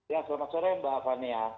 ya selamat sore mbak fania